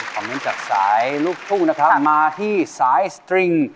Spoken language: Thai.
เงินจากสายลูกทุ่งนะครับมาที่สายสตริง